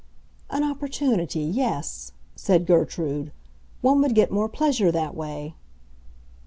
"An opportunity—yes," said Gertrude. "One would get more pleasure that way."